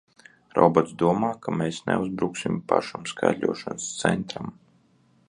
Robots domā, ka mēs neuzbruksim pašam skaitļošanas centram!